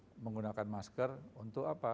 untuk menggunakan masker untuk apa